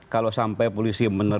kalau sampai polisi menerbitkan